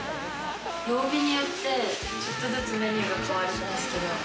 曜日によって、ちょっとずつメニューが変わりますけど。